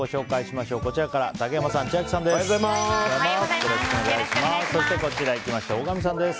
まずは竹山さん、千秋さんです。